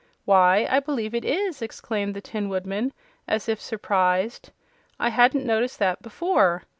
"Why, I believe it is!" exclaimed the Tin Woodman, as if surprised. "I hadn't noticed that before.